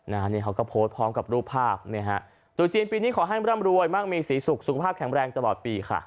นี่เขาก็โพสต์พร้อมกับรูปภาพเนี่ยฮะตัวจีนปีนี้ขอให้ร่ำรวยมากมีสีสุขสุขภาพแข็งแรงตลอดปีค่ะ